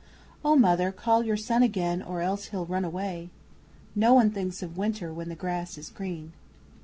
Oh, Mother, call your son again or else he'll run away. (No one thinks of winter when the grass is green!)